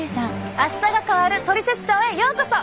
「あしたが変わるトリセツショー」へようこそ！